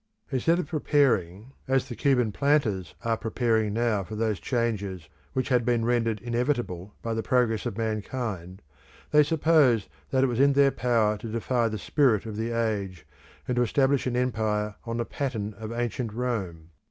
Instead of preparing as the Cuban planters are preparing now for those changes which had been rendered inevitable by the progress of mankind, they supposed that it was in their power to defy the spirit of the age, and to establish an empire on the pattern of ancient Rome.